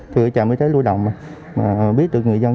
từ trạm y tế lưu đồng mà biết được người dân